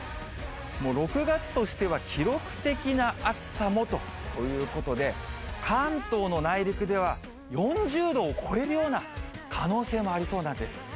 もう６月としては記録的な暑さもということで、関東の内陸では４０度を超えるような可能性もありそうなんです。